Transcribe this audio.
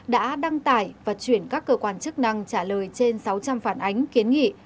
đã đăng tải và chuyển các cơ quan chức năng trả lời trên sáu trăm linh phản ánh kiến nghị